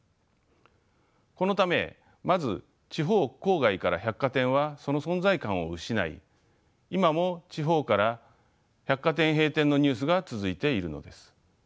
このためまず地方郊外から百貨店はその存在感を失い今も地方から百貨店閉店のニュースが続いているのです。